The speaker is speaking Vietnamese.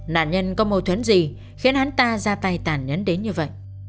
nạn nhân có mâu thuẫn gì khiến hắn ta ra tay tàn nhấn đến như vậy